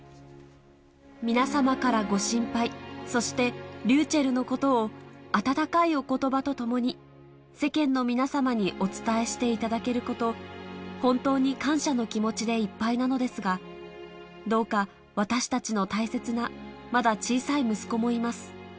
皆様からご心配、そして、りゅうちぇるのことを温かいおことばとともに、世間の皆様にお伝えしていただけること、本当に感謝の気持ちでいっぱいなのですが、どうか、私たちの大切な、まだ小さい息子もいます。